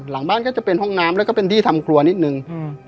หลังบ้านก็จะเป็นห้องน้ำแล้วก็เป็นที่ทำครัวนิดนึงอืม